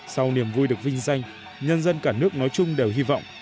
sau niềm vui được vinh danh nhân dân cả nước nói chung đều hy vọng